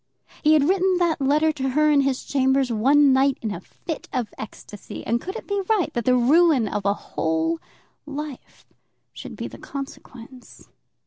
He had written that letter to her in his chambers one night in a fit of ecstasy; and could it be right that the ruin of a whole life should be the consequence?